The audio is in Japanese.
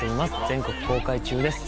全国公開中です